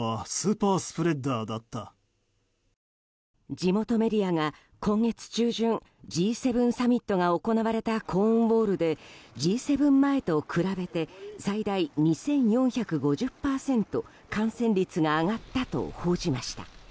地元メディアが今月中旬Ｇ７サミットが行われたコーンウォールでＧ７前と比べて最大２４５０％感染率が上がったと報じました。